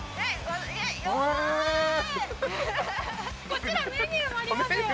こちらメニューもありますよ。